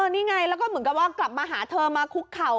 นี่ไงแล้วก็เหมือนกับว่ากลับมาหาเธอมาคุกเข่า